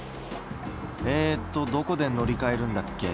えっとどこで乗り換えるんだっけ。